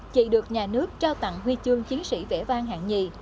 chị được nhà nước trao tặng huy chương chiến sĩ vẽ vang hạng nhì